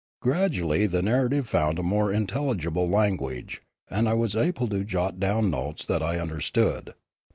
Gradually the narrative found a more intelligible language, and I was able to jot down notes that I understood.